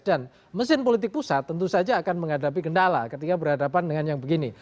dan mesin politik pusat tentu saja akan menghadapi kendala ketika berhadapan dengan yang begini